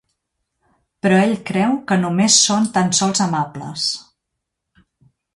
Però ell creu que només són tan sols amables.